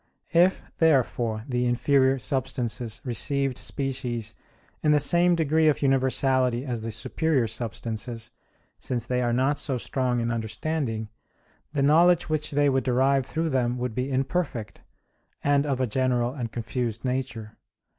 If, therefore, the inferior substances received species in the same degree of universality as the superior substances, since they are not so strong in understanding, the knowledge which they would derive through them would be imperfect, and of a general and confused nature.